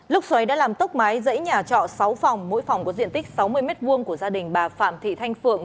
lốc xoáy đã làm tốc mái dãy nhà trọ sáu phòng mỗi phòng có diện tích sáu mươi m hai của gia đình bà phạm thị thanh phượng